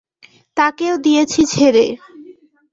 তাকেও দিয়েছি ছেড়ে।